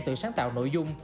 từ sáng tạo nội dung